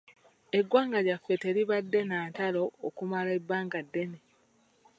Eggwanga lyaffe teribadde na ntalo okumala ebbanga ddene.